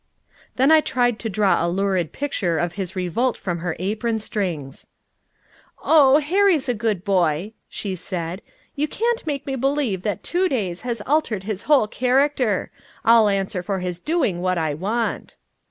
Then I tried to draw a lurid picture of his revolt from her apron strings. "Oh, Harry's a good boy," she said. "You can't make me believe that two days has altered his whole character. I'll answer for his doing what I want."